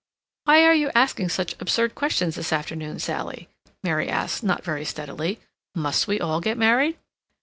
"Why are you asking such absurd questions this afternoon, Sally?" Mary asked, not very steadily. "Must we all get married?"